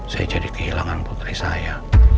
saya jadi kehilangan putri saya